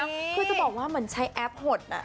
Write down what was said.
คือจะบอกว่ามันใช้แอปหดอ่ะ